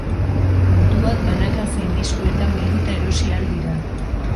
Kantuak banaka zein diskoetan bilduta erosi ahal dira.